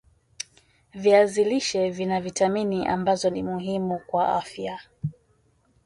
viazi lishe vina vitamini ambazo ni muhimu kwa afya